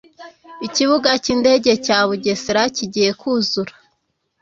ikibuga cy’indege cya bugesera kigiye kuzura